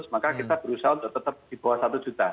maka kita berusaha untuk tetap di bawah satu juta